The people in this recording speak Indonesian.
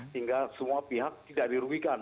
hingga semua pihak tidak dirugikan